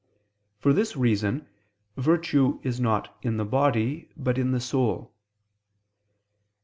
For this reason virtue is not in the body, but in the soul.